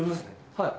はい。